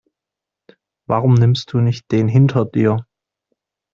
Warum nimmst du nicht den hinter dir?